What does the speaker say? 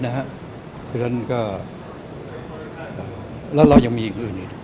เพราะฉะนั้นก็แล้วเรายังมีอย่างอื่นอีก